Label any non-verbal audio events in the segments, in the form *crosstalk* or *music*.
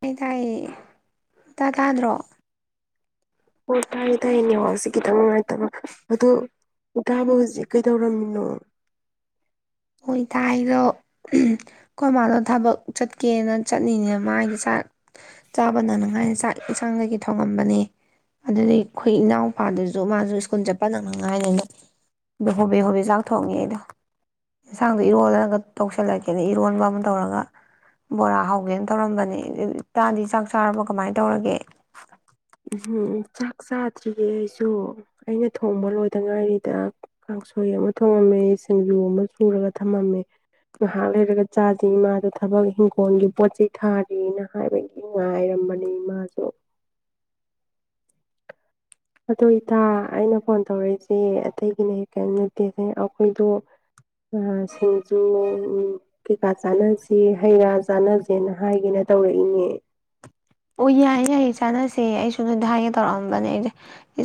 ꯇꯥꯏ ꯇꯥꯏꯌꯦ ꯏꯇꯥ ꯇꯥꯗ꯭ꯔꯣ ꯑꯣ ꯇꯥꯏꯌꯦ ꯇꯥꯏ ꯅꯅꯤꯍꯥꯛꯁꯦ ꯈꯤꯇꯪ ꯅꯨꯡꯉꯥꯏꯇꯕ ꯑꯣ ꯏꯇꯥꯕꯨ ꯍꯧꯖꯤꯛ ꯀꯩꯗꯧꯔꯝꯃꯤꯅꯣ ꯑꯣꯏꯣꯏ ꯇꯔꯣ ꯑꯩꯈꯣꯏ ꯃꯥꯅꯣ ꯊꯕꯛ ꯆꯠꯀꯦꯅ ꯆꯠꯅꯤꯡꯅꯦ ꯃꯥꯥꯏꯗ ꯆꯥꯛ ꯆꯥꯕꯅꯅꯉꯥꯏꯅ ꯆꯥꯛ ꯌꯦꯟꯁꯥꯡꯗꯒꯤ ꯊꯣꯡꯉꯝꯕꯅꯦ ꯑꯗꯨꯗꯒꯤꯑꯩꯈꯣꯏ ꯏꯅꯥꯎꯄꯥꯗꯨꯁꯨ ꯃꯥꯁꯨ ꯁ꯭ꯀꯨꯜ ꯆꯠꯄ ꯅꯪ ꯅꯉꯥꯏꯅꯤꯅ ꯑꯣ ꯍꯣꯕꯦ ꯍꯣꯕꯦ ꯆꯥꯛꯊꯣꯡꯉꯦ ꯑꯩꯗꯣ ꯌꯦꯟꯁꯥꯡꯗꯣ ꯏꯔꯣꯜꯂꯒ ꯇꯧꯁꯤꯜꯂꯛꯀꯦꯅ ꯏꯔꯣꯟꯕ ꯑꯃ ꯇꯧꯔꯒ ꯕꯣꯔꯥ ꯍꯧꯒꯦꯅ ꯇꯧꯔꯝꯕꯅꯦ ꯏꯇꯥꯗꯤ ꯆꯥꯛ ꯆꯥꯔꯕ ꯀꯃꯥꯏꯅ ꯇꯧꯔꯒꯦ ꯥꯆꯥꯗ꯭ꯔꯤꯌꯦꯦ ꯑꯩꯁꯨ ꯑꯩꯅ ꯊꯣꯡꯕ ꯂꯣꯏꯗ ꯉꯥꯏꯔꯤꯗ ꯀꯥꯡꯁꯣꯏ ꯑꯃ ꯊꯣꯡꯉꯝꯃꯦ ꯁꯤꯡꯖꯨ ꯑꯃ ꯁꯨꯔꯒ ꯊꯝꯃꯝꯃꯦ ꯉꯥꯏꯍꯥꯛ ꯂꯩꯔꯒ ꯆꯥꯥꯁ ꯏꯃꯥꯗ ꯊꯕꯛ ꯐꯣꯟꯒꯤ ꯄꯣꯠ ꯆꯩ ꯊꯥꯔꯤꯅ ꯍꯥꯏꯕꯅꯦ ꯏ ꯉꯥꯏꯔꯝꯕꯅꯤ ꯏꯃꯥꯁꯦ ꯑꯗꯣ ꯏꯇꯥ ꯑꯩꯅ ꯐꯣꯟ ꯇꯧꯔꯛꯏꯁꯦ ꯑꯇꯩꯒꯤꯅꯦ ꯀꯦꯃ ꯅꯠꯇꯦꯁꯦ ꯑꯩꯈꯣꯏꯗꯣ ꯁꯤꯡ ꯀꯩꯀꯥ ꯆꯥꯅꯁꯤ ꯍꯩ ꯔꯥ ꯆꯥꯅꯖꯦꯅ ꯍꯥꯏꯒꯦꯅ ꯇꯧꯔꯦ ꯑꯗꯨꯅꯦ ꯑꯣ ꯌꯥꯏꯌꯦ ꯌꯥꯏꯌꯦ ꯆꯥꯟꯅꯁꯦ ꯑꯩꯁꯨ ꯗꯥ ꯍꯥꯏ ꯇꯧꯔꯝꯕꯅꯦ ꯑꯩꯁꯦ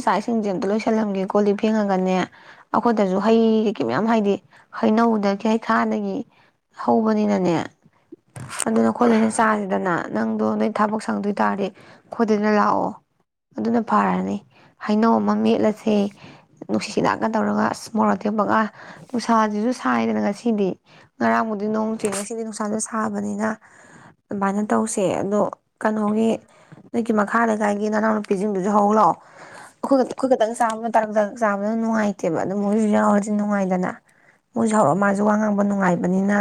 ꯆꯥꯏꯁꯤꯡꯖꯦ ꯑꯃꯇ ꯂꯣꯏꯁꯜꯂꯝꯒꯦ ꯀꯣ ꯂꯤꯛ ꯐꯦꯡꯉꯒꯅꯦ ꯑꯩꯈꯣꯏꯗꯁꯨ ꯍꯩ ꯀꯩꯀꯩ ꯃꯌꯥꯝ ꯍꯥꯏꯗꯤ ꯍꯩꯅꯧꯗꯒꯤ ꯍꯩꯈꯥꯗꯒꯤ ꯍꯧꯕꯅꯤꯅꯅꯦ ꯑꯗꯨꯅ ꯈꯣꯣꯏꯗꯣꯏꯅꯦ ꯆꯥꯁꯤꯗꯅ ꯅꯪ ꯑꯗ ꯅꯣꯏ ꯊꯕꯛ ꯁꯪꯗꯣꯏꯇꯥꯥꯔꯦ ꯈꯣꯏꯗꯅ ꯂꯥꯛꯑꯣ ꯑꯗꯨꯅ ꯐꯔꯅꯤ ꯍꯩꯅꯧ ꯑꯃ ꯃꯦꯠꯂꯁꯦ ꯅꯨꯡꯁꯤꯠ ꯍꯤꯗꯥꯛꯀ ꯇꯧꯔꯒ ꯑꯁ ꯃꯣꯔꯣꯛ ꯇꯦꯛꯞꯄꯒ ꯅꯨꯡꯁꯥꯁꯤꯁꯨ ꯁꯥꯏꯗꯅ ꯉꯁꯤꯗꯤ ꯉꯔꯥꯡꯕꯨꯗꯤ ꯅꯣꯡꯇ꯭ꯦ ꯉꯁꯤꯗꯤ ꯅꯨꯡꯁꯥꯁꯨ ꯁꯥꯕꯅꯤꯅ ꯑꯗꯨꯃꯥꯏꯅ ꯇꯧꯁꯦ ꯑꯗꯣ ꯀꯩꯅꯣꯒꯤ ꯅꯣꯏꯀꯤ ꯃꯈꯥ ꯂꯩꯀꯥꯏꯒꯤ ꯅꯅꯥꯎꯅꯨꯄꯤꯁꯤꯡꯗꯨꯁꯨ ꯍꯧꯛꯑꯣ ꯑꯩꯈꯣꯏ ꯑꯩꯈꯣꯏ ꯈꯛꯇꯪ ꯑꯗꯨꯝ ꯅꯨꯡꯉꯥꯏꯇꯦꯕ ꯑꯗꯨ ꯃꯣꯏꯁꯨ ꯌꯥꯎꯔꯗꯤ ꯅꯨꯡꯉꯥꯏꯗꯅ ꯃꯣꯏꯁꯨ ꯌꯥꯎꯔ ꯃꯥꯁꯨ ꯋꯥ ꯉꯥꯡꯕ ꯅꯨꯡꯉꯥꯏꯕꯅꯤꯅ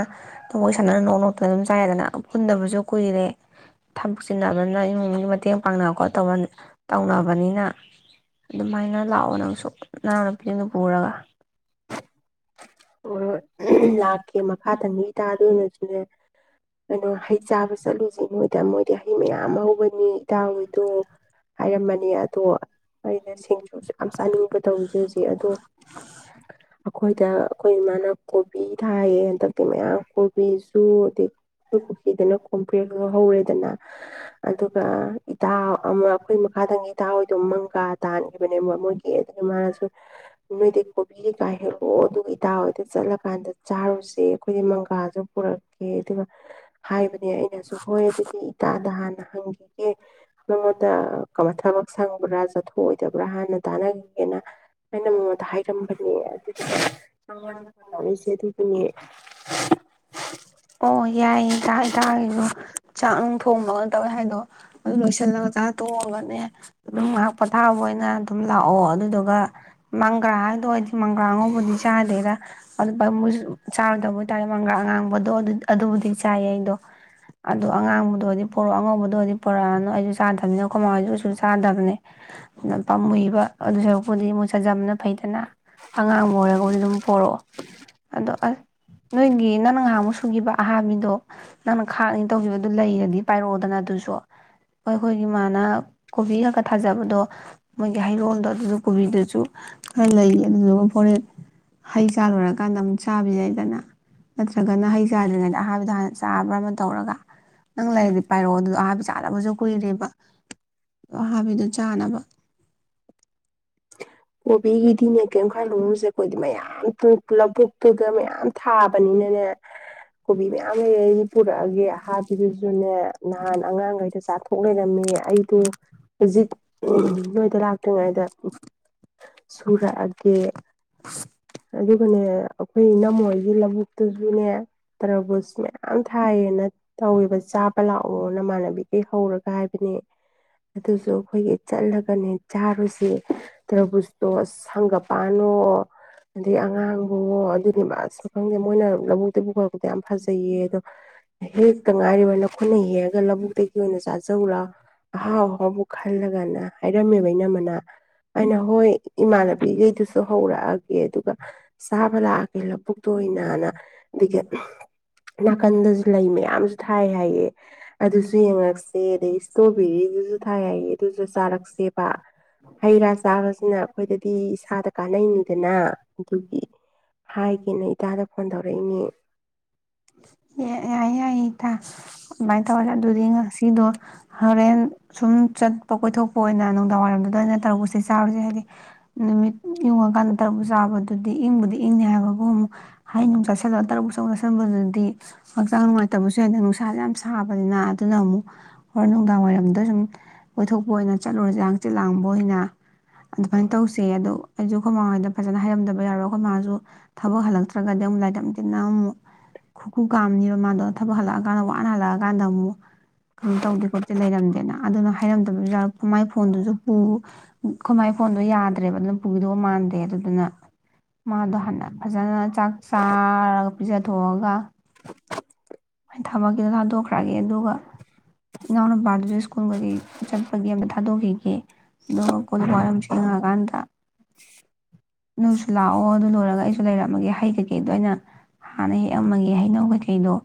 ꯃꯣꯏ ꯁꯥꯟꯅꯅ ꯅꯣꯛ ꯅꯣꯛꯇꯅ ꯑꯗꯨꯝ ꯆꯥꯏꯔꯦꯗꯅ ꯄꯨꯟꯗꯕꯁꯨ ꯀꯨꯏꯔꯦ ꯊꯕꯛ ꯆꯤꯟꯅꯕꯅꯤꯅ ꯏꯃꯨꯡꯒꯤ ꯃꯇꯦꯡ ꯄꯥꯡꯅꯕ ꯈꯣꯠꯇ ꯇꯧꯅꯕꯅꯤꯅ ꯑꯗꯨꯃꯥꯏꯅ ꯂꯥꯛꯑꯣ ꯅꯪꯁꯨ ꯅꯅꯥꯎ ꯅꯨꯄꯤꯅ ꯄꯨꯔꯒ ꯑꯣ ꯂꯥꯛꯀꯦ ꯃꯈꯥ ꯇꯪ ꯃꯤ ꯇꯥꯗꯣꯏꯅ ꯁꯤꯅꯦ ꯀꯩꯅꯣ ꯍꯩ ꯆꯥꯕ ꯆꯠꯂꯨꯁꯤ ꯅꯣꯏ ꯃꯣꯏꯗꯤ ꯍꯩ ꯃꯌꯥꯝ ꯍꯧꯕ ꯃꯤ ꯏꯇꯥ ꯍꯣꯏꯗꯣ ꯍꯥꯏꯔꯝꯃꯅꯤ ꯑꯗꯣ ꯑꯩꯅ ꯁꯦꯡꯖꯤꯁꯨ ꯌꯥꯝ ꯆꯥꯅꯤꯡꯕ ꯇꯧꯖꯦ ꯍꯧꯖꯤꯛ ꯑꯗꯣ ꯑꯩꯈꯣꯏꯗ ꯑꯩꯈꯣꯏ ꯏꯃꯥꯟꯅꯕ ꯀꯣꯕꯤ ꯊ ꯊꯥꯏꯌꯦ ꯍꯟꯗꯛꯇꯤ ꯃꯌꯥꯝ ꯀꯣꯕꯤꯁꯨ ꯑ ꯄꯨꯈ꯭ꯔꯤꯗꯅ ꯀꯣꯝꯐ꯭ꯔꯦꯛꯗ ꯍꯧꯔꯦꯗꯅ ꯑꯗꯨꯒ ꯏꯇ ꯑꯃ ꯑꯩꯈꯣꯏ ꯃꯈꯥꯗꯪ ꯏꯇꯍꯣꯏꯗꯣ ꯃꯪꯒꯥꯥ ꯇꯥꯟꯈꯤꯕꯅꯦꯕ ꯃꯣꯏꯒꯤ ꯑꯗꯨꯗꯒꯤ ꯃꯥꯅꯁꯨ ꯅꯣꯏꯗꯤ ꯀꯣꯕꯤ ꯀꯩ ꯀꯥ ꯍꯦꯜꯂ ꯑꯣ ꯑꯗꯨꯒ ꯏꯇꯥ ꯍꯣꯏꯗ ꯆꯠꯂꯀꯥꯟꯗ ꯆꯥꯔꯨꯁꯦ ꯑꯩꯈꯣꯏꯗꯤ ꯃꯪꯒꯥꯁꯨ ꯄꯨꯔꯛꯀꯦ ꯑꯗꯨꯒ ꯍꯥꯏꯕꯅꯦ ꯑꯩꯅꯁꯨ ꯍꯣꯏ ꯑꯗꯨꯗꯤ ꯏꯇꯥꯗ ꯍꯥꯟꯅ ꯍꯪꯈꯤꯒꯦ ꯃꯉꯣꯟꯗ ꯀ ꯊꯕꯛ ꯁꯪꯕ꯭ꯔꯥ ꯆꯠꯊꯣꯛꯑꯣꯏꯗꯕ꯭ꯔꯥ ꯍꯥꯟꯅ ꯇꯥꯟꯅꯈꯤꯒꯦꯅ ꯑꯩꯅ ꯃꯉꯣꯟꯗ ꯍꯥꯏꯔꯝꯕꯅꯦ *unintelligible* *unintelligible* *inaudible* ꯑꯣ ꯌꯥꯏꯌꯦ ꯆꯥꯛ ꯅꯨꯡ ꯊꯣꯡꯕꯒ ꯇꯧꯋꯦ ꯍꯥꯏꯗꯣ ꯑꯗꯨ ꯂꯣꯏꯁꯤꯜꯂꯒ ꯆꯥ ꯇꯣꯡꯉꯒꯅꯦ ꯑꯗꯨꯝ ꯉꯥꯏꯍꯥꯛ ꯄꯣꯊꯥꯕ ꯑꯣꯏꯅ ꯑꯗꯨꯝ ꯂꯥꯛꯑꯣ ꯑꯗꯨꯗꯨꯒ ꯃꯪꯒ꯭ꯔꯥ ꯍꯥꯏꯗꯣ ꯑꯩꯗꯤ ꯃꯪꯒ꯭ꯔꯥ ꯑꯉꯧꯕꯗꯤ ꯆꯥꯗꯦꯗ꯫ *inaudible* *unintelligible* ꯃꯪ ꯒꯔꯥ *unintelligible* ꯑꯗꯣ ꯑꯗꯨꯕꯨꯗꯤ ꯆꯥꯏꯌꯦ ꯑꯩꯗꯣ ꯑꯗꯣ ꯑꯉꯥꯡꯕꯗꯨꯑꫭꯏꯗꯤ ꯄꯣꯔꯛꯑꯣ ꯑꯉꯧꯕꯗꯨ ꯑꯣꯏꯗꯤ ꯄꯣꯔꯛꯑꯅꯨ ꯑꯩꯁꯨ ꯆꯥꯗꯕꯅꯤꯅ ꯈꯨꯃꯥꯍꫭꯏꯖꯨ ꯀꯩꯁꯨ ꯆꯥꯗꯕꯅꯦ ꯑꯗꯨ ꯄꯥꯝꯃꯏꯕ ꯑꯗꯨ ꯁꯔꯨꯛꯄꯨꯗꯤ ꯃꫭꯏ ꯆꯥꯖꯕꯅ ꯐꯩꯗꯅ꯫ ꯑꯉꯥꯡꯕ ꯑꯣꯏꯔꯒꯕꯨꯗꯤ ꯑꯗꯨꯝ ꯄꯣꯔꯛꯑꯣ ꯑꯗꯣ ꯑ ꯅꯣꯏꯒꯤ ꯅꯪ ꯉꯥꯍꯥꯃꯨꯛ ꯍꯥꯕꯤꯗꯣ ꯅꯪꯅ ꯈꯥꯛꯅꯤ ꯇꯧꯈꯤꯕꯗꯨ ꯂꯩꯔꯗꯤ ꯄꯥꯏꯔꯛꯑꯣꯗꯅ ꯑꯗꯨꯁꯨ ꯍꯣꯏ ꯑꯩꯈꯣꯏꯒꯤ ꯏꯃꯥꯅ ꯀꯣꯕꯤꯒꯛꯀ ꯊꯥꯖꯕꯗꯣ ꯃꯣꯏꯒꯤ ꯍꯩꯔꯣꯜꯗꯣ ꯑꯗꯨꯁꯨ ꯀꯣꯕꯤꯗꯨꯖꯨ ꯈꯔ ꯂꯩ ꯑꯗꯨꯗꯨꯒ ꯍꫭꯔꯦꯟ ꯍꯩ ꯆꯥ ꯂꯣꯏꯔꯀꯥꯟꯗ ꯑꯃꯨꯛ ꯆꯥꯕ ꯌꯥꯏꯗꯅ ꯅꯠꯇ꯭ꯔꯒꯅ ꯍꯩ ꯆꯥꯗ꯭ꯔꯤꯉꯩꯗ ꯑꯍꯥꯅꯤꯗꯣ ꯍꯥꯟꯅ ꯆꯥꯕ꯭ꯔ ꯑꯃ ꯇꯧꯔꯒ ꯅꯪ ꯂꯩꯔꯗꯤ ꯄꯥꯏꯔꯛꯑꯣ ꯑꯗꯨꯗꫭ ꯑꯍꯥꯕꯤ ꯆꯥꯗꯕꯁꯨ ꯀꯨꯏꯔꯦꯕ꯫ ꯑꯍꯥꯕꯤꯗꯨ ꯆꯥꯅꯕ꯫ ꯀꯣꯕꯤꯒꯤꯗꯤꯅꯦ ꯀꯩꯝ ꯈꯜꯂꯨꯨꯅꯨꯁꯦ ꯑꯈꯣꯏꯗꯤ ꯃꯌꯥꯝ ꯄꯨ ꯄꯨꯜꯞ *unintelligible* ꯃꯌꯥꯝ ꯊꯥꯕꯅꯤꯅꯅꯦ ꯀꯣꯕꯤ ꯃꯌꯥꯝ ꯂꯩꯔ ꯑꯩ ꯄꯨꯔꯛꯑꯒꯦ ꯑꯍꯥꯕꯤꯗꯨꯖꯨꯅꯦ ꯅꯍꯥꯟ ꯑꯉꯥꯡꯒꯩꯅ ꯆꯥꯊꫭꯛ ꯂꯩꯔꯝꯃꯦ ꯑꯩꯗꫭ ꯅꯣꯏꯗ ꯂꯥꯛꯇ꯭ꯔꯤꯉꯩꯗ ꯁꯨꯔꯛꯑꯒꯦ ꯑꯗꯨꯒꯅꯦ ꯑꯩꯈꯣꯏ ꯏꯅꯝꯃꯍꫭꯏꯒꯤ ꯂꯕꯨꯛ ꯑꯗꯨꯁꯨꯅꯦ ꯇꯔꯕꯨꯖ ꯃꯌꯥꯝ ꯊꯥꯏꯌꯦꯅ ꯇꯧꯋꯦꯕ ꯆꯥꯕ ꯂꯥꯛꯑꯣ ꯅꯃꯥꯟꯅꯕꯤꯒꯩ ꯍꯧꯔꯒ ꯍꯥꯏꯕꯅꯦ ꯑꯗꯨꯁꯨ ꯑꯩꯈꯣꯏꯒꯩ ꯆꯠꯂꯒꯅꯦ ꯆꯥꯔꯨꯁꯦ꯫ ꯇ꯭ꯔꯕꯨꯖꯇꯣ ꯍꯪꯒꯄꯥꯟꯋꫭ ꯑꯗꯩ ꯑꯉꯥꯡ ꯑꯣ ꯑꯗꯨꯅꯦꯕ ꯑꯁ ꯈꯪꯗꯦ ꯃꯣꯏꯅ ꯂꯧꯕꯨꯛꯇꯒꯤ ꯄꯨꯈꯂꯛꯄꯗ ꯌꯥꯝ ꯐꯖꯩꯌꯦ ꯑꯗꯣ ꯍꯦꯛꯇ ꯉꯥꯏꯔꯤꯕ ꯅꯈꯣꯏꯅ ꯍꯦꯛꯑꯒ ꯂꯧꯕꯨꯛꯇꯒꯤ ꯑꯣꯏꯅ ꯆꯥꯖꯧꯂꯥꯎ ꯑꯍꯥꯎ ꯑꯍꯥꯎꯕ ꯈꯜꯂꯒꯅ ꯍꯥꯏꯔꯝꯃꯦꯕ ꯏꯅꯝꯃꯅ ꯑꯩꯅ ꯍꯣꯏ ꯏꯃꯥꯟꯅꯕꯤꯈꯩꯗꯨꯁꯨ ꯍꯧꯔꯛꯑꯒꯦ ꯑꯗꯨꯒ ꯆꯥꯕ ꯂꯥꯛꯑꯒꯦ ꯂꯕꯨꯛꯇ ꯑꯣꯏꯅꯅ ꯑꯗꯒꯤ ꯅꯥꯀꯟꯗꯁꯨ ꯂꯩ ꯃꯌꯥꯝꯁꯨ ꯊꯥꯏ ꯍꯥꯏꯌꯦ ꯑꯗꯨꯁꯨ ꯌꯦꯡꯉꯛꯁꯦ ꯑꯗꯩ ꯏꯁꯇ꯭ꯔꯣꯕꯦꯔꯤꯗꯨꯁꯨ ꯊꯥꯏ ꯍꯥꯏꯌꯦ ꯑꯗꯨꯁꯨ ꯆꯥꯔꯛ ꯁꯦꯕꯥ ꯍꯩ ꯔꯥ꯫ ꯆꯥꯕꯁꯤꯅ ꯑꯩꯈꯣꯏꯗꯗꯤ ꯏꯁꯥꯗ ꯀꯥꯟꯅꯩꯅꯤꯗꯅ ꯑꯗꯨꯒꯤ ꯍꯥꯏꯒꯦꯅ ꯏꯇꯥꯗ ꯐꯣꯟ ꯇꯧꯔꯛꯏꯅꯤ꯫ ꯌꯥꯏꯌꯦ ꯌꯥꯏꯌꯦ ꯏꯇꯥ꯫ ꯑꯗꯨꯃꯥꯏ ꯇꯧꯔꯁꯦ ꯑꯗꯨꯗꯤ ꯉꯁꯤꯗꯣ ꯍꯣꯔꯦꯟ ꯁꯨꯝ꯫ *inaudible* *unintelligible* ꯀꯣꯏꯊꯣꯛꯄ ꯑꯣꯏꯅ ꯅꯨꯡꯗꯥꯡꯋꯥꯏꯔꯝꯗ ꯑꯣꯏꯅ ꯇꯔꯕꯨꯁꯦ ꯆꯔꯨꯁꯦ꯫ ꯅꯨꯃꯤꯠ ꯌꯨꯡꯉꯀꯥꯟꯗ ꯇꯔꯨꯖ ꯆꯥꯕꯗꯨꯗꯤ ꯏꯪꯕꯨꯗꯤ ꯏꯪꯅꯤ ꯍꯥꯏꯕꯕꯨ ꯑꯃꯨꯛ꯫ ꯍꯩ ꯅꯨꯡ ꯆꯥꯁꯜꯂꯒ ꯇꯔꯨꯛ ꯆꯥꯁꯟ꯫ ꯑꯅꯝꯕꯅꯗꯤ꯫ ꯍꯛꯆꯥꯡ ꯅꯨꯡꯉꯥꯏꯇꯕꯁꯨ ꯅꯨꯡꯁꯥꯥꯁꯤ ꯌꯥꯝ ꯁꯥꯕ꯫ ꯅꯤꯅ ꯑꯗꯨꯅ ꯑꯃꯨꯛ ꯍꯣꯔꯦꯟ ꯅꯨꯡꯗꯥꯡ ꯋꯥꯏꯔꯝꯗ ꯁꯨꯝ꯫ ꯀꯣꯏꯊꯣꯛꯄ ꯑꯣꯏꯅ ꯆꯠꯂꯨꯔꯁꯤꯔ ꯍꯛꯆꯤꯛ ꯂꯥꯡꯕ ꯑꯣꯏꯅ꯫ ꯑꯗꯨꯃꯥꯏꯅ ꯇꯧꯁꯦ ꯑꯗꯣ꯫ ꯑꯩꯖꯨ ꯑꯈꯣꯏ ꯃꯃꯍꫭꯏꯗ ꯐꯖꯅ ꯍꯥꯏꯔꯝꯗꯕ ꯌꯥꯔꯣꯏ ꯑꯈꯣꯏ ꯃꯥꯥꯁꯨ ꯊꯕꯛ ꯍꯜꯂꯛꯇ꯭ꯔꯒꯗꯤ ꯑꯃꯨꯛ *unintelligible* ꯑꯃꯨꯛ ꯈꯨ ꯈꯨ꯫ ꯀꯥꯝꯅꯤꯕ ꯃꯥꯗꯣ ꯊꯕꯛ ꯍꯜꯂꯛꯑꯀꯥꯟꯗ ꯋꯥꯅ ꯍꯜꯂꯛꯑꯀꯥꯟꯗ ꯑꯃꯨꯛ꯫ ꯀꯩꯅꯣ ꯇꯧꯗꯦ ꯈꯣꯠꯇꯦ ꯂꯩꯔꯝꯗꯦꯅ ꯑꯗꯨꯅ ꯍꯥꯏꯔꯝꯗꯕꯤꯁꯨ ꯈꯨꯃꯥꯏ ꯐꯣꯟꯗꯨꯁꯨ ꯄꯨ ꯈꫭꯏꯃꯥꯏ ꯐꯣꯟꯗꯣ ꯌꯥꯗ꯭ꯔꯦꯕ ꯑꯗꯨꯅ ꯄꯨꯈꯤꯗꯧꯕ ꯃꯥꯟꯗꯦ ꯑꯗꯨꯗꯨꯅ ꯃꯥꯗꯣ ꯍꯥꯟꯅ ꯐꯖꯅ ꯆꯥꯛ ꯆꯥꯔꯒ ꯄꯤꯖꯊꯣꯛꯑꯒ꯫ ꯊꯕꯛꯀꯤꯗꯣ ꯊꯥꯗꯣꯛꯈ꯭ꯔꯒꯦ ꯑꯗꯨꯒ ꯏꯅꯥꯎꯅꯨꯄꯥꯗꯨꯁꯨ ꯁ꯭ꯀꯨꯜ ꯀꯩ ꯆꯠꯄꯒꯤ ꯑꯝꯇ ꯊꯥꯗꯣꯛꯈꯤꯒꯦ ꯑꯗꯨꯒ ꯀꯣ ꯋꯥꯔ ꯑꯃ ꯌꯦꯡꯉꯑꯀꯥꯟꯗ ꯅꯣꯏꯁꯨ ꯂꯥꯛꯑꯣ ꯑꯗꯨ ꯂꯣꯏꯔꯒ ꯑꯩꯁꯨ ꯂꯩꯔꯝꯃꯒꯦ ꯍꯥꯏꯩꯒ ꯀꯗꯅ ꯍꯥꯟꯅꯩ ꯑꯃꯒꯤ ꯍꯩꯅꯧ ꯀꯩꯀꯩꯗꯣ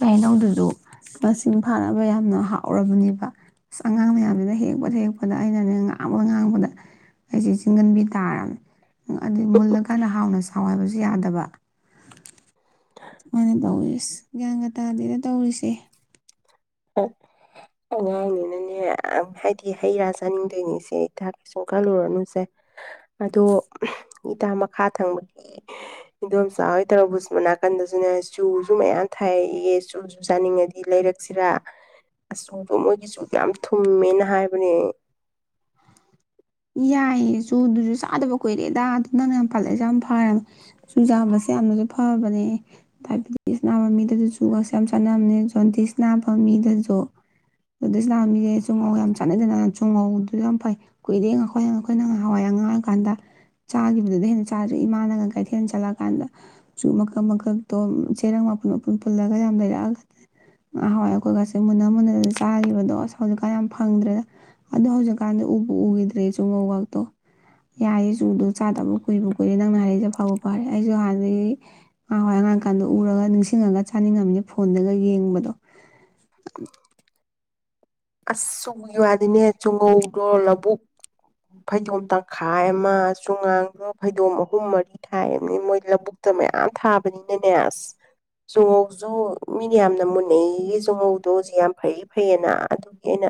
ꯍꯩꯅꯧꯗꯨꯁꯨ ꯃꯁꯤꯡ ꯐꯥꯅꯕ ꯌꯥꯝꯅ ꯍꯥꯎꯔꯕꯅꯦꯕ ꯑꯁ ꯑꯉꯥꯡ ꯃꯌꯥꯝꯁꯤꯅ ꯍꯦꯛꯄꯗ ꯍꯦꯛꯄꯗ ꯑꯩꯅꯅꯦ ꯉꯥꯡꯕ ꯉꯥꯡꯕꯗ ꯑꯩꯁꯦ ꯆꯤꯡꯒꯟꯕꯤ ꯇꯥꯔꯕꯃꯦ ꯎ ꯑꯗꯤ ꯃꯨꯜꯂꯒꯥꯟꯟꯅ ꯍꯥꯎꯅ ꯁꯥꯎꯋꯕꯁꯨ ꯌꯥꯗꯕ ꯑꯗꯨꯃꯥꯏꯅ ꯇꯧꯔꯤ ꯒ꯭ꯌꯥꯟꯀꯇꯥꯗꯗ ꯇꯧꯔꯤꯁꯦ ꯑꯣ ꯎꯝ ꯑꯉꯥꯡꯅꯤꯅꯅꯦ ꯍꯥꯏꯗꯤ ꯍꯩ ꯔꯥ ꯆꯥꯅꯤꯡꯗꯣꯏꯅꯤ ꯁꯤꯦ ꯀꯩꯁꯨꯝ ꯀꯜꯂꯨꯔꯅꯨꯁꯦ ꯑꯗꯣ ꯏꯇꯥ ꯃꯈꯥ ꯊꯪꯕꯒꯤ ꯏꯗꯣꯝꯆꯥꯥ ꯍꯣꯏ ꯇꯧꯔꯧꯕꯁꯤ ꯅꯥꯀꯟꯗꯁꯨꯅꯦ ꯆꯨꯁꯨ ꯃꯌꯥꯝ ꯊꯥꯏꯔꯛꯏꯑꯦ ꯆꯨꯁꯨ ꯆꯥꯅꯤꯡꯉꯗꯤ ꯂꯩꯔꯛꯁꯤꯔꯥ ꯑꯆꯨꯗꯣ ꯃꯣꯏꯒꯤ ꯆꯨꯗꯣ ꯌꯥꯝ ꯊꯨꯝꯃꯦꯅ ꯍꯥꯏꯕꯅꯦ ꯌꯥꯏꯁꯨ ꯑꯗꯨꯁꯨ ꯆꯥꯗꯕ ꯀꯨꯏꯔꯦꯗ ꯑꯗꯨ ꯅꯪꯅ ꯌꯥꯝ ꯄꯥꯜꯂꯛꯑꯁꯦ ꯌꯥꯝ ꯐꯔꯦꯕ ꯆꯨꯖꯥꯕꯁꯦ ꯌꯥꯝꯅꯁꯨ ꯐꯕꯅꯦ ꯗꯥꯏꯕꯦꯇꯤꯁ ꯅꯥꯕ ꯃꯤꯗꯁꯨ ꯉꯛꯁ ꯌꯥꯝ ꯆꯥꯟꯅꯕꯅꯦ ꯖꯣꯟꯗꯤꯤꯁ ꯅꯥꯕ ꯃꯤꯗꯁꯨ ꯖꯣꯟꯗꯤꯤꯁ ꯅꯥꯕ ꯃꯤꯗ ꯇꯥꯎ ꯌꯥꯝ ꯆꯥꯟꯅꯖꯅ ꯐꯉꯣ ꯑꯗꯨ ꯌꯥꯝ ꯐꯩ ꯀꯨꯏꯔꯦ ꯑꯩꯈꯣꯏꯅ ꯑꯩꯈꯣꯏꯅ ꯉꯥꯍꯥꯟꯋꯥꯏ ꯑꯉꯥꯡ ꯑꯣꯏꯔꯤ ꯀꯥꯟꯗ ꯆꯥꯒꯤꯕꯗꯨꯗꯩ ꯍꯦꯟꯅ ꯆꯥꯗ꯭ꯔꯤ ꯏꯃꯥꯅꯒ ꯀꯩꯊꯦꯜ ꯆꯠꯂꯛ ꯀꯥꯟꯗ ꯁꯨ ꯃꯈꯜ ꯃꯈꯜ ꯇꯣ ꯆꯦꯔꯡ ꯃꯥꯄꯨꯟ ꯃꯄꯨꯟ ꯄꯨꯨꯜꯂꯒ ꯌꯥꯝ ꯂꯩꯔꯛꯑꯒ ꯉꯥꯍꯥꯟꯋꯥꯏ ꯑꯩꯈꯣꯏꯒꯁꯦ ꯃꯨꯟꯅ ꯃꯨꯟꯅꯗꯅ ꯆꯥꯒꯤꯕꯗꯣ ꯑꯁ ꯍꯧꯖꯤꯛꯀꯥꯟ ꯌꯥꯝ ꯐꯪꯗ꯭ꯔꯦꯗ ꯑꯗꯣ ꯍꯧꯖꯤꯛ ꯀꯥꯟꯗ ꯎꯕꯨ ꯎꯈꯤꯗ꯭ꯔꯦ ꯆꯨꯉꯧꯒꯥꯛꯇꯣ ꯌꯥꯏꯌꯦ ꯆꯨꯗꯣ ꯆꯥꯗꯕ ꯀꯨꯏꯕꯨ ꯀꯨꯏꯔꯦ ꯅꯪꯅ ꯍꯥꯏꯔꯛꯏꯁꯦ ꯐꯥꯕꯨ ꯐꯥꯔꯦ ꯑꯩꯁꯨ ꯍꯥꯟꯅꯗꯒꯤ ꯃꯥꯥ ꯍꯣꯏ ꯑꯉꯥꯡ ꯀꯥꯟꯗ ꯎꯔꯒ ꯅꯤꯡꯁꯤꯡꯉꯒ ꯆꯥꯅꯤꯡꯉꯝꯃꯤꯅꯤ ꯐꯣꯟꯗꯒ ꯌꯦꯡꯕꯗꯣ ꯑꯁ ꯆꯨꯒꯤ ꯋꯥꯗꯤꯅꯦ ꯆꯨꯉꯧꯗꯣ ꯂꯧꯕꯛ ꯐꯩꯗꯣꯝ ꯇꯪꯈꯥꯏ ꯑꯃ ꯆꯨꯉꯥꯡꯗꯣ ꯐꯩꯗꯣꯝ ꯑꯍꯨꯝ ꯃꯔꯤ ꯊꯥꯏꯑꯃꯤ ꯃꯣꯏ ꯂꯧꯕꯨꯛꯇ ꯃꯌꯥꯝ ꯊꯥꯕꯅꯤꯅꯅꯦ ꯑꯁ ꯆꯨꯉꯧꯁꯨ ꯃꯤꯅ ꯌꯥꯝꯅ ꯃꯨꯟꯅꯩ ꯑꯌꯦ ꯆꯨꯉꯧꯗꯣ ꯍꯧꯖꯤꯛ ꯌꯥꯝ ꯐꯩ ꯐꯩꯌꯦꯅ ꯑꯗꯨ ꯑꯦꯅ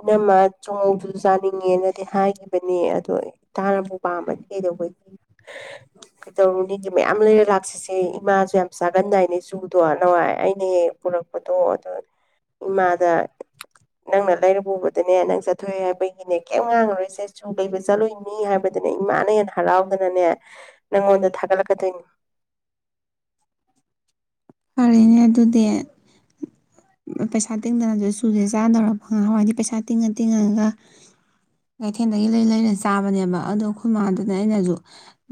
ꯏꯅꯝꯃ ꯆꯣꯡꯉꯧꯗꯨꯁꯨ ꯆꯥꯅꯤꯡꯉꯦꯅꯗꯤ ꯍꯥꯏꯒꯤꯕ ꯅꯦ ꯑꯗꯣ ꯏꯇꯥꯅꯕꯨ ꯄꯥꯝꯕꯗꯤ ꯀꯩꯗꯧꯕꯒꯤ *unintelligible* ꯀꯩꯗꯧꯔꯨꯅꯤꯒꯦ ꯃꯌꯥꯝ ꯂꯩꯔ ꯂꯥꯛꯁꯤꯁꯦ ꯏꯃꯥꯁꯨ ꯌꯥꯝ ꯆꯥꯒꯟꯗꯥꯏꯅꯦ ꯆꯨꯗꯣ ꯅꯍꯥꯟꯋꯥꯏ ꯑꯩꯅ ꯍꯦꯛ ꯍꯦꯛ ꯄꯨꯔꯛꯄꯗꯣ ꯑꯗꯣ ꯏꯃꯥꯗ ꯀꯔꯨ ꯄꯨꯕꯗꯅꯦ ꯅꯪ ꯆꯠꯊꯣꯛꯑꯦ ꯍꯥꯏꯕꯩꯒꯤꯅꯦ ꯀꯩꯝ ꯉꯥꯡꯉꯔꯣꯏꯁꯦ ꯁꯨ ꯀꯩꯕ ꯆꯠꯂꯨꯅꯤ ꯍꯥꯏꯕꯗꯨꯅꯦ ꯏꯃꯥꯅ ꯍꯦꯟꯅ ꯍꯔꯥꯎꯗꯅꯅꯦ ꯅꯪꯉꯣꯟꯗ ꯊꯥꯒꯠꯂꯛꯀꯗꯣꯏꯅꯤ ꯐꯔꯤꯅꯦ ꯑꯗꯨꯗꯤ *inaudible* ꯁꯥꯥ ꯇꯤꯡꯗꯅꯁꯨ ꯆꯨꯁꯦ ꯆꯥꯅꯔꯔꯕ ꯍꯋꯥꯏꯗꯤ ꯄꯩꯁꯥ ꯇꯤꯡꯉ ꯇꯤꯡꯉꯒ ꯀꯩꯊꯦꯜꯗꯒꯤ ꯂꯩ ꯂꯩꯔ ꯆꯥꯕꯅꯦꯕ ꯑꯗꯣ ꯑꯩꯈꯣꯏ ꯃꯥꯗꯅ ꯑꯩꯅꯁꯨ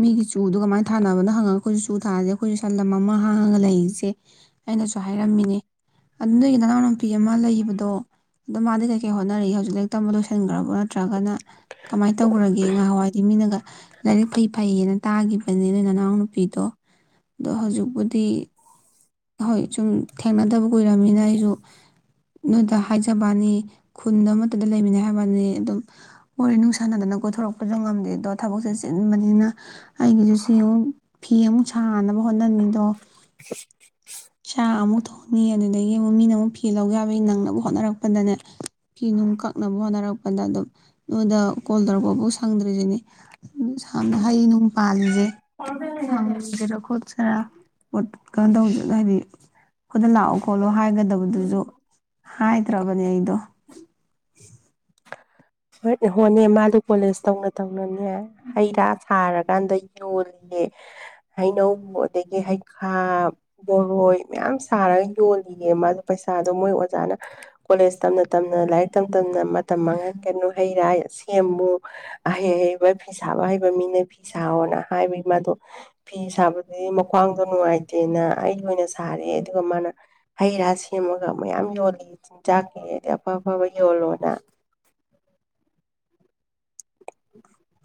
ꯃꯤꯒꯤ ꯆꯨꯗꯨꯣ ꯀꯃꯥꯏꯅ ꯊꯥꯅꯕꯅꯣ ꯍꯪꯉꯒ ꯑꯩꯈꯣꯏꯁꯨ ꯆꯨ ꯊꯥꯔꯁꯦ ꯑꯩꯈꯣꯏꯁꯨ ꯁꯟꯂꯝ ꯑꯃ ꯍꯥꯡꯉꯒ ꯂꯩꯔꯤꯁꯦ *inaudible* ꯑꯩꯅꯁꯨ ꯍꯥꯏꯔꯝꯃꯤꯅꯦ ꯑꯗꯨ ꯅꯣꯏꯒꯤ ꯅꯅꯥꯎꯅ ꯅꯨꯄꯤ ꯑꯃ ꯂꯩꯕꯗꯣ ꯑꯗꯨꯣ ꯃꯥꯗꯤ ꯀꯩ ꯀꯩ ꯍꯣꯠꯅꯔꯤ ꯍꯧꯖꯤꯛ ꯂꯥꯏꯛ ꯇꯝꯕ ꯂꯣꯏꯦ ꯍꯦꯡꯒꯥꯔꯕꯠ ꯅꯠꯇ꯭ꯔꯒꯅ ꯀꯃꯥꯏꯅ ꯇꯧꯈ꯭ꯔꯒꯦ ꯉꯍꯥꯟꯋꯥꯏꯗꯤ ꯃꯤꯅꯒ ꯂꯥꯏꯔꯤꯛ ꯐꯩ ꯐꯩꯌꯦꯅ ꯇꯥꯈꯤꯕ ꯐꯅꯤ ꯅꯣꯏ ꯅꯅꯥꯎ ꯅꯨꯄꯤꯗꯣ ꯑꯗꯣ ꯍꯧꯖꯤꯛ ꯕꯨꯗꯤ ꯍꯣꯏ ꯁꯨꯝ ꯊꯦꯡꯅꯗꯕ ꯀꯨꯏꯔꯝꯃꯤꯅ ꯑꯩꯁꯨ ꯅꯣꯏꯗ ꯍꯥꯏꯖ ꯕꯅꯤ ꯈꯨꯟꯗ ꯑꯃꯠꯇꯗ ꯂꯩꯃꯤꯟꯅ ꯍꯥꯏꯕꯅꯤ ꯑꯗꯨꯝ ꯃꯣꯔꯦ ꯅꯨꯡꯁꯥꯟꯅꯗꯅ ꯀꯣꯏꯊꯣꯔꯛꯄꯁꯨ ꯉꯝꯗꯦ ꯑꯗꯣ ꯊꯕꯛꯁꯦ ꯆꯤꯟꯕꯅꯤꯅ ꯑꯩꯒꯤꯗꯨ ꯁꯤꯨꯛ ꯐꯤ ꯑꯃꯨꯛ ꯁꯥꯅꯕ ꯍꯣꯠꯅꯅꯤꯗꯣ ꯏꯁꯥ ꯑꯃꯨꯛ ꯊꯣꯡꯅꯤ ꯑꯗꯨꯗꯒꯤ ꯑꯃꯨꯛ ꯃꯤꯅ ꯑꯃꯨꯛ ꯐꯤ ꯂꯧꯒ ꯌꯥꯕꯒꯤ ꯅꯪꯅꯕ ꯍꯣꯠꯅꯔꯛꯄꯗꯅꯦ ꯐꯤ ꯅꯨꯡ ꯀꯛꯅꯕ ꯍꯣꯠꯅꯔꯛꯄꯗ ꯑꯗꯨꯝ ꯅꯉꯣꯟꯗ ꯀꯣꯜ ꯇꯧꯔꯛꯄꯐꯥꯎ ꯁꯪꯗ꯭ꯔꯤꯁꯤꯅꯦ ꯑꯗꯨ ꯁꯝꯅ ꯍꯩ ꯅꯨꯡ ꯄꯥꯜꯂꯤꯁꯦ ꯁꯅ ꯎꯁꯤꯔꯥ ꯈꯣꯠꯁꯤꯔ ꯑꯣꯠ ꯀꯥꯟꯗꯧꯖ ꯍꯥꯏꯗꯤ ꯈꯨꯣꯏꯗ ꯂꯥꯛꯑꯣ ꯈꯣꯠꯂꯣ ꯍꯥꯏꯒꯗꯕꯗꯨꯁꯨ ꯍꯥꯏꯗ꯭ꯔꯕꯅꯦ ꯑꯩꯗꯣ *inaudible* ꯍꯣꯏ ꯍꯣꯅꯦ ꯃꯥꯗꯨ ꯀꯣꯂꯦꯖ ꯇꯧꯅ ꯇꯧꯅ ꯍꯩ ꯔꯥ ꯁꯥꯔꯀꯥꯟꯗ ꯌꯣꯜꯂꯤꯌꯦ ꯍꯩꯅꯧ ꯑꯗꯒꯤ ꯍꯩꯈꯥ ꯕꯣꯔꯣꯏ ꯃꯌꯥꯝ ꯁꯥꯔꯒ ꯌꯣꯜꯂꯤꯌꯦ ꯃꯥꯗ ꯄꯩꯁꯥꯗꯣ ꯃꯣꯏ ꯑꯣꯖꯥꯅ ꯀꯣꯂꯦꯖ ꯇꯝꯅ ꯇꯝꯅ ꯂꯥꯏꯔꯤꯛ ꯇꯝꯅ ꯇꯝꯅ ꯇꯃꯉꯥ ꯀꯩꯅꯣ ꯍꯩ ꯔꯥ ꯁꯤ ꯑꯦꯝꯕꯨ ꯑꯍꯩ ꯑꯍꯩ ꯐꯤ ꯁꯥꯕ ꯍꯩꯕ ꯃꯤꯅ ꯐꯤ ꯁꯥꯑꯣꯣꯅ ꯍꯥꯏꯕꯒꯤ ꯃꯥꯗꯣ ꯐꯤ ꯁꯥꯕꯗꯨꯗꯤ ꯃ꯭ꯋꯥꯡꯗꯣ ꯅꯨꯡꯉꯥꯏꯇꯦꯅ ꯑꯩ ꯑꯣꯏꯅ ꯁꯥꯔꯦ ꯑꯗꯨꯒ ꯃꯥꯅ ꯍꯩ ꯔꯥ ꯁꯦꯝꯃꯒ ꯃꯌꯥꯝ ꯌꯣꯜꯂꯤ ꯆꯤꯟꯖꯥꯛꯀꯤ ꯑꯗꯩ ꯑꯐ ꯑꯐꯕ ꯌꯣꯜꯂꯣꯅ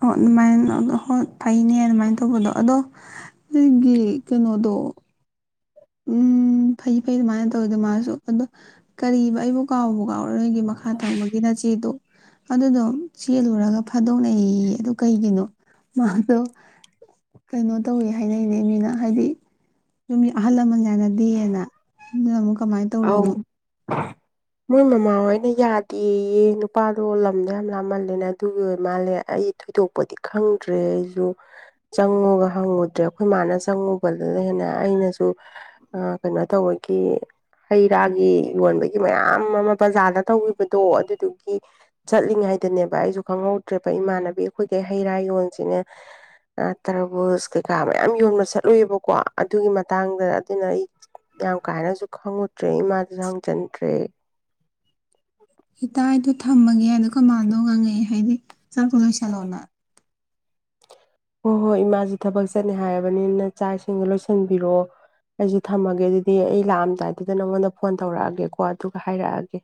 ꯑꯣ ꯑꯗꯨ ꯃꯥꯏꯅ ꯑꯗꯨ ꯍꯣꯏ ꯐꯩꯅꯦ ꯑꯗꯨꯃꯥꯏꯅ ꯇꯧꯕꯗꯣ ꯑꯗꯣ ꯑꯩꯒꯤ ꯀꯩꯅꯣꯗꯣ ꯎꯝ ꯐꯩ ꯐꯩ ꯑꯗꯨꯃꯥꯏꯅ ꯇꯧꯋꯗ ꯃꯥꯁꯨ ꯑꯗꯣ ꯀꯔꯤꯕ ꯑꯩꯕꯨ ꯀꯥꯎꯕ ꯀꯥꯎꯔ ꯅꯣꯏꯒꯤ ꯃꯈꯥ ꯊꯪꯕꯒꯤ ꯅꯆꯦꯗꯣ ꯑꯗꯨꯗꯣ ꯆꯦꯜꯂꯨꯔꯒ ꯐꯥꯗꯣꯛꯅꯛꯩ ꯑꯗꯨ ꯀꯩꯒꯤꯅꯣ ꯃꯥꯗꯣ ꯀꯩꯅꯣ ꯇꯧꯋ ꯍꯥꯏꯅꯩꯅꯦ ꯃꯤꯅ ꯍꯥꯏꯗꯤ ꯑꯗꯨ꯫ ꯑꯃꯨꯛ ꯀꯃꯥꯏꯅ ꯑꯧ ꯇꯧꯔꯤꯅꯣ ꯃꯣꯏ ꯃꯃꯥꯍꯣꯏꯅ ꯌꯥꯗꯦꯌꯦ꯫ ꯅꯨꯄꯥꯗꯣ ꯂꯝꯗꯣ ꯌꯥꯝ ꯂꯥꯞꯃꯜꯂꯦꯅꯦ ꯑꯗꯨꯒꯤ ꯑꯣꯏ ꯃꯥꯜꯂꯦ ꯑꯩ ꯊꯣꯏꯗꯣꯛ ꯗꯤ ꯈꯪꯗ꯭ꯔꯦ ꯑꯩꯁꯨ ꯆꯪꯉꯨꯒ ꯍꯪꯉꯨꯗ꯭ꯔꯦ ꯑꯩꯈꯣꯏ ꯃꯥꯅ ꯆꯪꯉꯨꯕ ꯑꯗꯨꯗ ꯍꯦꯟꯅ ꯑꯩꯅꯁꯨ ꯀꯩꯅꯣ ꯇꯧꯕꯒꯤ꯫ ꯍꯩ ꯔꯥꯒꯤ ꯌꯣꯟꯕꯒꯤ ꯃꯌꯥꯝ ꯑꯃ ꯕ꯭ꯔꯖꯥꯗ ꯇꯧꯈꯤꯕꯗꯣ ꯑꯗꯨꯗꯨꯒꯤ ꯆꯠꯂꯤꯉꯩꯗꯅꯦꯕ ꯑꯩꯁꯨ ꯈꯪꯍꯧꯗ꯭ꯔꯦꯕ ꯏꯃꯥꯟꯅꯕꯤ ꯑꯩꯈꯣꯏ ꯍꯩ ꯔꯥ ꯌꯣꯟꯁꯤꯅꯦ꯫ ꯇꯔꯕꯨꯁ ꯀꯩꯀꯥ ꯃꯌꯥꯝ ꯌꯣꯟꯕ ꯆꯠꯂꯨꯏꯕꯀꯣ ꯑꯗꯨꯒꯤ ꯃꯇꯥꯡꯗ ꯑꯗꯨꯅ ꯑꯩ ꯌꯥꯝ ꯀꯥꯏꯅꯁꯨ ꯈꯪꯉꯨꯗ꯭ꯔꯦ ꯏꯃꯥꯗꯁꯨ ꯍꯪꯖꯟꯗ꯭ꯔꯦ꯫ ꯏꯇ ꯏꯗꯣ ꯊꯝꯃꯒꯦꯗꯣ ꯀꯃꯥꯟꯅꯗꯧ ꯉꯪꯉꯛꯦ ꯍꯥꯏꯗꯤ꯫ ꯆꯥꯛꯇꯨ ꯂꯣꯏꯁꯂꯑꯣꯅ꯫ ꯍꯣꯏ ꯍꯣꯏ ꯏꯃꯥꯁꯦ ꯊꯕꯛ ꯆꯠꯅꯤ ꯍꯥꯏꯔꯕꯅꯤꯅ ꯆꯥꯛ ꯏꯁꯤꯡꯗꯣ ꯂꯣꯏꯁꯤꯟꯕꯤꯔꯛꯑꯣ ꯑꯩꯁꯨ ꯊꯝꯃꯒꯦ ꯑꯗꯨꯗꯤ ꯑꯩ ꯂꯥꯛꯑꯝꯗꯥꯏꯗꯨꯗ ꯅꯉꯣꯟꯗ ꯐꯣꯟ ꯇꯧꯔꯛꯑꯒꯦꯀꯣ ꯑꯗꯨꯒ ꯍꯥꯏꯔꯛꯑꯒꯦ꯫